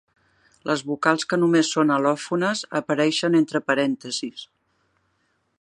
Les vocals que només són al·lòfones apareixen entre parèntesis.